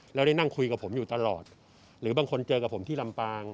แล้วได้นั่งคุยกับผมอยู่ตลอดหรือบางคนเจอกับผมที่ลำปาง